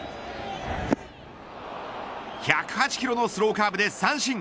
１０８キロのスローカーブで三振。